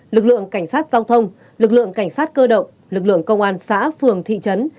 lực lượng cảnh sát giao thông lực lượng cảnh sát cơ động lực lượng công an xã phường thị trấn